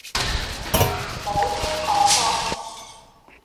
冇聽講過